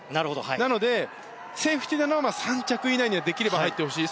なので、セーフティーなのは３着以内にはできれば入ってほしい。